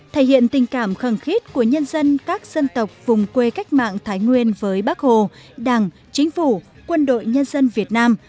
thể hiện tình cảm khẩn khiết của nhân dân các dân tộc vùng quê cách mạng thái nguyên với bắc hồ đảng chính phủ quân đội nhân dân việt nam